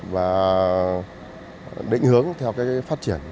và định hướng theo phát triển